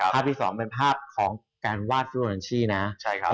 ภาพที่๒เป็นภาพของการวาดฟื้นฐานชีนะ